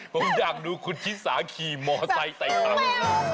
ผมอยากดูคุณฮิตสาขี่มอเตอร์ไซค์ใต้ทาง